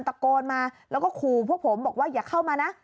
ตะโกนมาแล้วก็ขู่พวกผมบอกว่าอย่าเข้ามานะ